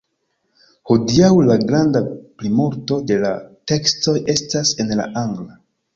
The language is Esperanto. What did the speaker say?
Hodiaŭ la granda plimulto de la tekstoj estas en la angla.